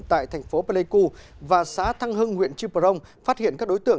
tại thành phố pleiku và xã thăng hưng huyện triprong phát hiện các đối tượng